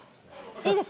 いいですか？